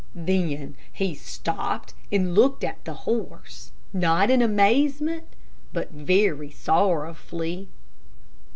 Then he stopped and looked at the horse, not in amazement, but very sorrowfully.